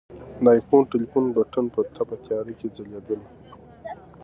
د آیفون ټلیفون بټن په تپ تیاره کې ځلېدله.